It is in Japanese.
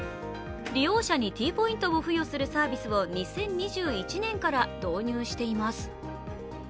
利用者にＴポイントを付与するサービスを２０２１年から導入しています。